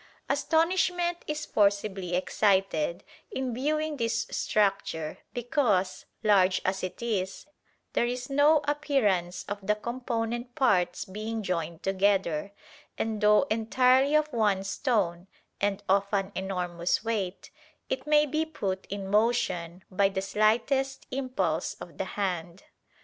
Astonishment is forcibly excited in viewing this structure, because, large as it is, there is no appearance of the component parts being joined together; and though entirely of one stone and of an enormous weight, it may be put in motion by the slightest impulse of the hand."